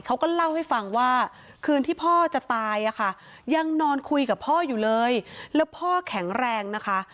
เขาก็เล่าให้ฟังว่าคืนที่พ่อจะตายอะค่ะยังนอนคุยกับพ่ออยู่เลยแล้วพ่อแข็งแรงนะคะ